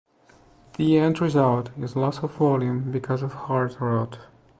The end result is loss of volume because of heart rot.